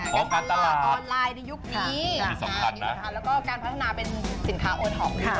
การตลาดออนไลน์ในยุคนี้แล้วก็การพัฒนาเป็นสินค้าโอดหอม